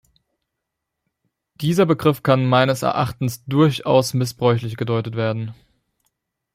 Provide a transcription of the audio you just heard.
Dieser Begriff kann meines Erachtens durchaus missbräuchlich gedeutet werden.